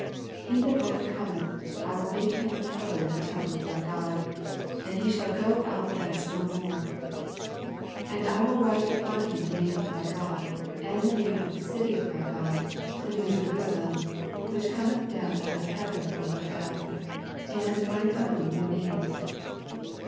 " He that overcometh, I will make him a pillar in the temple of My God, and he The Philadelphia Letter 175 shall go out thence no more : and I will write upon him the name of My God, and the name of the city of My God, the new Jerusalem, which Cometh down out of heaven from My God, and Mine own new name."